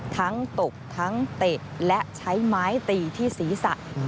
ตบทั้งเตะและใช้ไม้ตีที่ศีรษะ